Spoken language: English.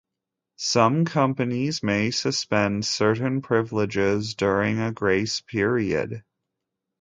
Some companies may suspend certain privileges during a grace period.